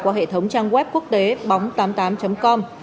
qua hệ thống trang web quốc tế bóng tám mươi tám com